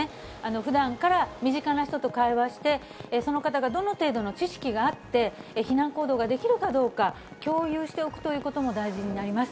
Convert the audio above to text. ふだんから身近な人と会話して、その方がどの程度の知識があって、避難行動ができるかどうか、共有しておくということも大事になります。